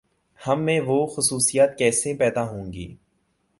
ہم میں وہ خصوصیات کیسے پیداہونگی؟